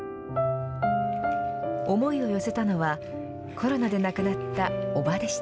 思いを寄せたのは、コロナで亡くなった伯母でした。